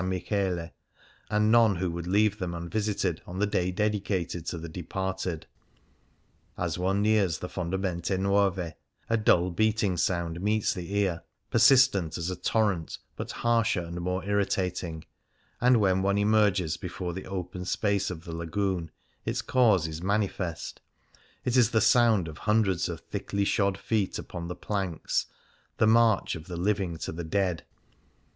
Michele, and none who would leave them un visited on the day dedicated to the departed. As one nears the Fondamente Nuove, a dull beating sound meets the ear, persistent as a torrent, but harsher and more irritating ; and M'hen one emerges before the open space of the Lagoon its cause is manifest : it is the sound of hundreds of thickly shod feet upon the planks — the march of the living to the dead.